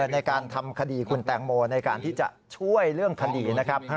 ในการทำคดีคุณแตงโมในการที่จะช่วยเรื่องคดีนะครับ